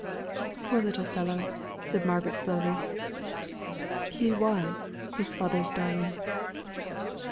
"Poor little fellow!" said Margaret, slowly; "he was his father's darling."